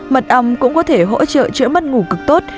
mật ong cũng có thể hỗ trợ chữa mất ngủ cực tốt